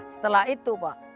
setelah itu pak